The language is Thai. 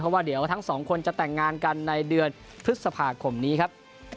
เพราะว่าเดี๋ยวทั้งสองคนจะแต่งงานกันในเดือนพฤษภาคมนี้ครับ